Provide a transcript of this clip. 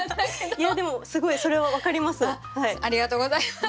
いやでもすごいそれは分かります。